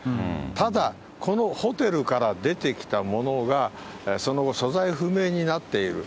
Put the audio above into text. ただ、このホテルから出てきた者が、その後、所在不明になっている。